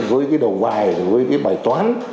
với cái đầu vài với cái bài toán